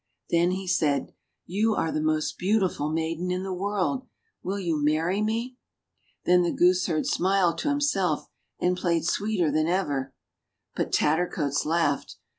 Then he said, "You are the most beautiful maiden in the world. Will you marry me ?" Then the gooseherd smiled to himself, and played sweeter than ever. But Tattercoats laughed.